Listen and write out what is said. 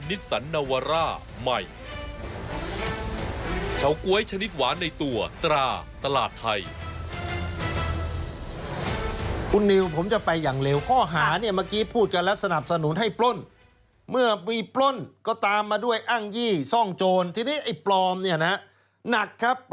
อีกหลายเรื่องตีสากหน้ากันสักครู่เดียวกลับมาชมค่ะ